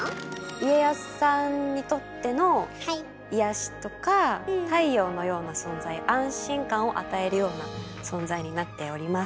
家康さんにとっての癒やしとか太陽のような存在安心感を与えるような存在になっております。